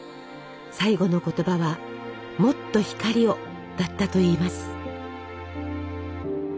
最期の言葉は「もっと光を！」だったといいます。